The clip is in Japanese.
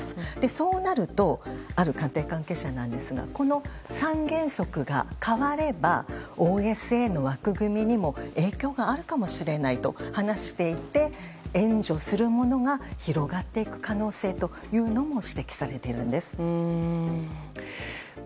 そうなるとある官邸関係者なんですがこの３原則が変わればＯＳＡの枠組みにも影響があるかもしれないと話していて援助するものが広がっていく可能性も指摘されているんです。